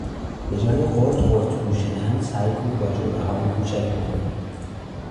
به جای قورت قورت نوشیدن سعی کن با جرعههای کوچک بخوری!